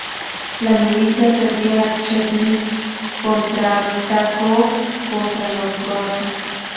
La milicia serbia Chetnik contraatacó contra los croatas.